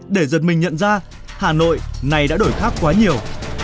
để giật mình nhận ra hà nội này đã đổi khác quá nhiều